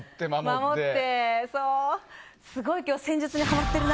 すごい戦術にハマってるな。